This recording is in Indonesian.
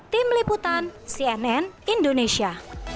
tim liputan cnn indonesia